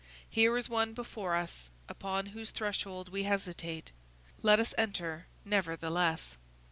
Here is one before us, upon whose threshold we hesitate. Let us enter, nevertheless.